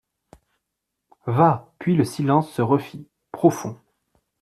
Va !— Puis le silence se refit, profond.